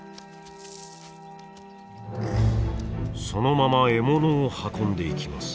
そのまま獲物を運んでいきます。